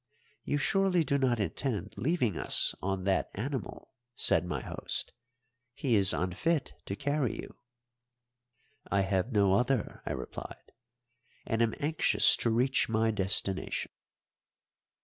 "You surely do not intend leaving us on that animal!" said my host. "He is unfit to carry you." "I have no other," I replied, "and am anxious to reach my destination."